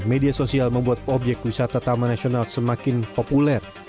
media sosial membuat objek wisata taman nasional semakin populer